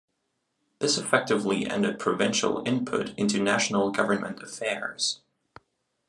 This effectively ended provincial input into national government affairs.